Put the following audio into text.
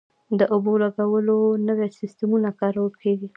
د اوبو لګولو نوي سیستمونه کارول کیږي.